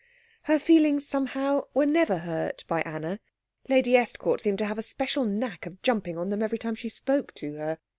Her feelings, somehow, were never hurt by Anna; Lady Estcourt seemed to have a special knack of jumping on them every time she spoke to her.